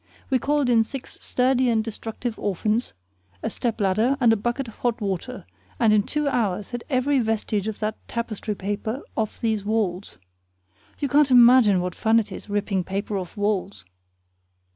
We called in six sturdy and destructive orphans, a step ladder, and a bucket of hot water, and in two hours had every vestige of that tapestry paper off those walls. You can't imagine what fun it is ripping paper off walls.